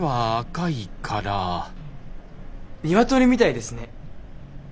ニワトリみたいですね。